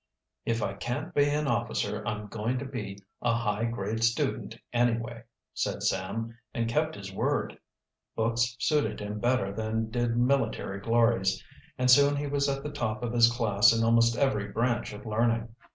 "If I can't be an officer I'm going to be a high grade student anyway," said Sam, and kept his word. Books suited him better than did military glories, and soon he was at the top of his class in almost every branch of learning.